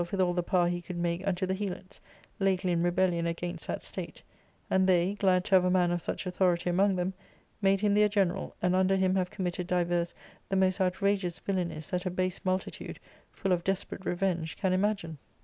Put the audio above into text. — Book L 29 with all the power he could make unto the Helots, lately in rebellion against that state ; and they, glad to have a man of such authority among them, made him their general, and under him have committed divers the most outrageous villainies that a base multitude, full of desperate revenge, can imagine.